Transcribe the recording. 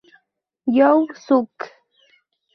You suck